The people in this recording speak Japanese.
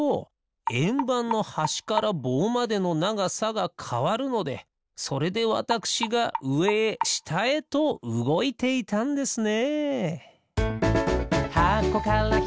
えんばんのはしからぼうまでのながさがかわるのでそれでわたくしがうえへしたへとうごいていたんですね。